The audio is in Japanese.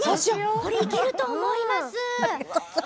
いけると思います。